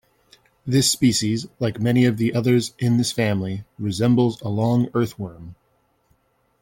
This species, like many of the others in this family, resembles a long earthworm.